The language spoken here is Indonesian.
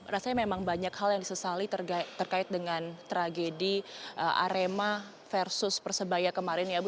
rasanya memang banyak hal yang disesali terkait dengan tragedi arema versus persebaya kemarin ya bu